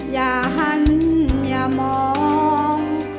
อย่าหันอย่ามอง